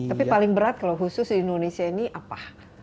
tapi paling berat kalau khusus di indonesia ini apa